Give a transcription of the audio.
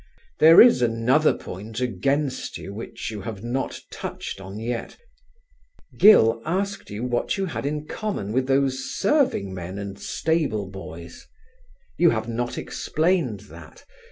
There is another point against you which you have not touched on yet: Gill asked you what you had in common with those serving men and stable boys. You have not explained that.